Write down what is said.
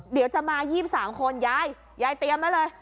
เดี๋ยวจะมา๒๓คนยายยายเตรียมไว้เลย